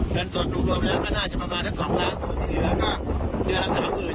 เงินสดรวมน่าจะประมาณทั้ง๒ล้านส่วนที่เหลือก็เดือนละ๓๐๐๐๐บาท